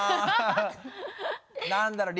何だろう？